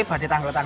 oh lima tahun